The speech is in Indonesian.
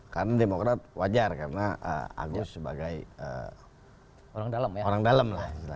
karena demokrat wajar karena agus sebagai orang dalam